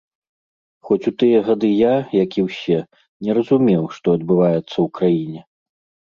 Хоць у тыя гады я, як і ўсе, не разумеў, што адбываецца ў краіне.